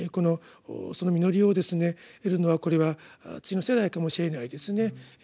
その実りをですね得るのはこれは次の世代かもしれないですね。